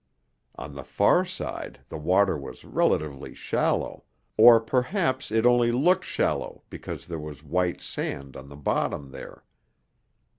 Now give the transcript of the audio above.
On the far side the water was relatively shallow, or perhaps it only looked shallow because there was white sand on the bottom there.